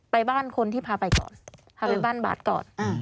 ไปบ้านคนที่พาไปก่อน